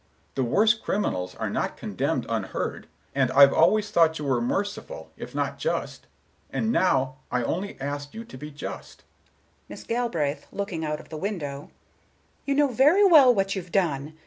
The worst criminals are not condemned unheard, and I've always thought you were merciful if not just. And now I only ask you to be just." Miss Galbraith, looking out of the window: "You know very well what you've done.